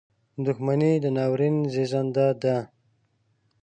• دښمني د ناورین زیږنده ده.